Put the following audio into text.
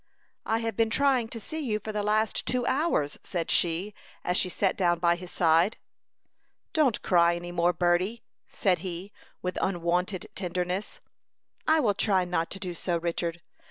"I have been trying to see you for the last two hours," said she, as she sat down by his side. "Don't cry any more, Berty," said he, with unwonted tenderness. "I will try not to do so, Richard.